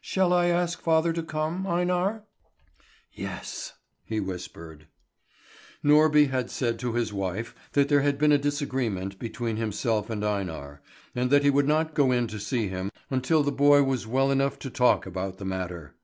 "Shall I ask father to come, Einar?" "Yes," he whispered. Norby had said to his wife that there had been a disagreement between himself and Einar, and that he would not go in to see him until the boy was well enough to talk about the matter.